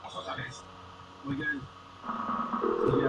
Fue miembro del Consejo Consultivo de la Comunidad de Madrid.